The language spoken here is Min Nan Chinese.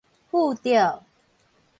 附著